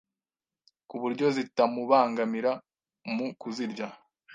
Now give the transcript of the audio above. ku buryo zitamubangamira mu kuzirya.